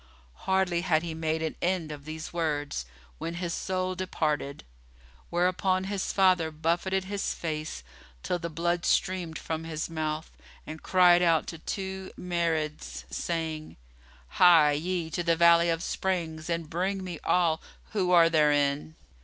Hardly had he made an end of these words, when his soul departed; whereupon his father buffeted his face, till the blood streamed from his mouth, and cried out to two Marids, saying, "Hie ye to the Valley of Springs and bring me all who are therein."